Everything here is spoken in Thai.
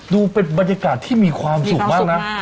ดูเป็นบรรยากาศที่มีความสุขมากนะ